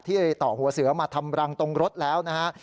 ต่อหัวเสือมาทำรังตรงรถแล้วนะฮะ